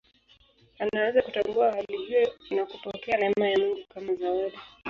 Anaweza kutambua hali hiyo na kupokea neema ya Mungu kama zawadi.